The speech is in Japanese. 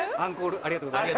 ありがとうございます。